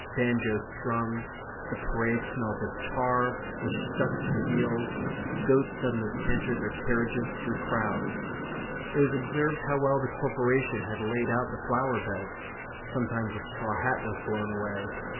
Banjoes strummed; the parade smelt of tar which stuck to the heels; goats suddenly cantered their carriages through crowds. It was observed how well the Corporation had laid out the flower beds. Sometimes a straw hat was blown away.